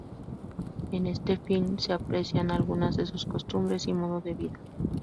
En este film se aprecian algunas de sus costumbres y modo de vida.